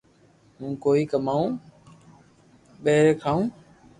ھون ڪوئي ڪماوُ پئري ڪرو